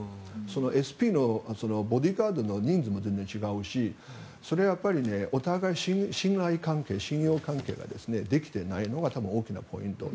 ＳＰのボディーガードの人数も全然違うしそれはお互い信頼関係信用関係ができていないのが大きなポイント。